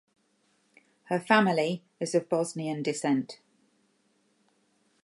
Her family is of Bosnian descent.